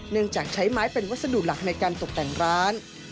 จากใช้ไม้เป็นวัสดุหลักในการตกแต่งร้าน